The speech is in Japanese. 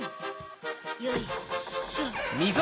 よいしょ。